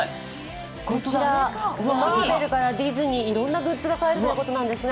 こちら、マーベルからディズイー、いろんなグッズが買えるということなんですが、